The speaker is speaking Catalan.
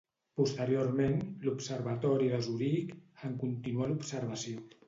Posteriorment, l'observatori de Zuric en continuà l'observació.